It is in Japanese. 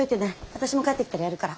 私も帰ってきたらやるから。